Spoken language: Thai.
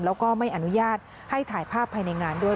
แล้วก็ไม่อนุญาตให้ถ่ายภาพภายในงานด้วย